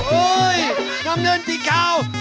โหนำเนินที่ขาว